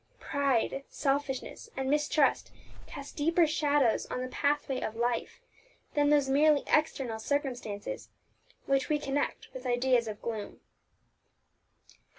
Pride, selfishness, and mistrust cast deeper shadows on the pathway of life than those merely external circumstances which we connect with ideas of gloom.